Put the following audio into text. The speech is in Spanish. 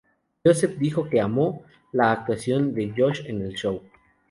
Joseph dijo que "amó" la actuación de Josh en el show.